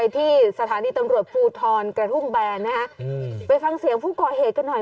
ที่สถานีตำรวจภูทรกระทุ่มแบนนะฮะไปฟังเสียงผู้ก่อเหตุกันหน่อย